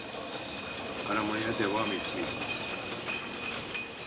Aramaya devam etmeliyiz.